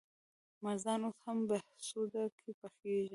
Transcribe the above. مړزان اوس هم بهسودو کې پخېږي؟